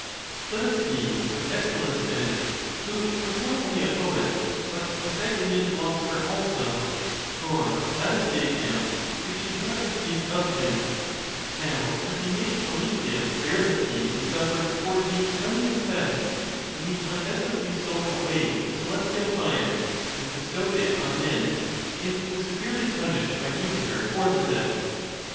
Let us see what Aischylus says, who was not only a poet, but a Pythagorean philosopher also, for that is the account which you have received of him; how doth he make Prometheus bear the pain he suffered for the Lem nian theft, when he clandestinely stole away the celestial fire, and bestowed it on men, and was severely punished by Jupiter for the theft.